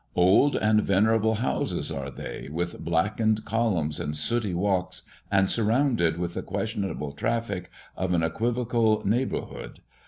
Old and venerable houses are they, with blackened columns and sooty walls, and surrounded with the questionable traffic of an equivocal neighbourhood.